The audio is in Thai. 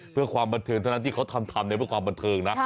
เพื่อความบันเทิงเท่านั้นที่เขาทำเพื่อความบันเทิงนะ